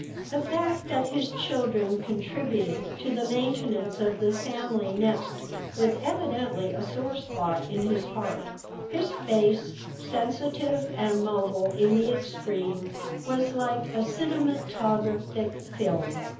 '" The fact that his children contributed to the maintenance of the family nest was evidently a sore spot in his heart His face, sensitive and mobile in the extreme, was like a cinematographic film.